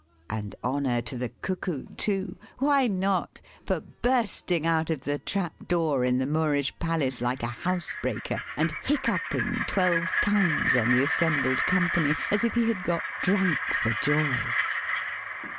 And honor to the Cuckoo too why not! for bursting out of the trap door in the Moorish Palace like a housebreaker, and hiccoughing twelve times on the assembled company, as if he had got drunk for joy!